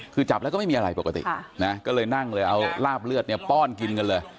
คือจับแล้วก็ไม่มีอะไรปกตินะก็เลยนั่งเลยเอาลาบเลือดเนี่ยป้อนกินกันเลย